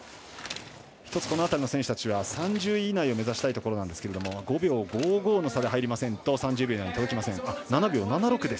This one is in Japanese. １つこの辺りの選手たちは３０位以内を目指したいところですが５秒５５の差で入らないと３０秒に届きません。